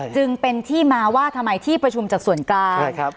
จึงเป็นที่มาว่าทำไมที่ประชุมจากส่วนกลางใช่ครับ